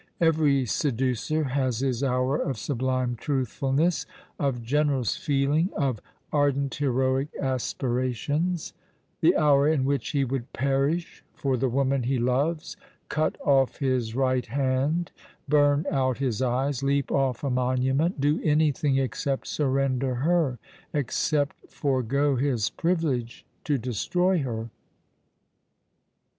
Every seducer has his hour of sublime truthfulness ; of generous feeling ; of ardent heroic aspira tions ; the hour in which he would perish for the woman ho loves; cut off his right hand; burn out his eyes; leap off a monument; do anything except surrender her, except forego his privilege to destroy her.